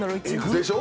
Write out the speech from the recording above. でしょ？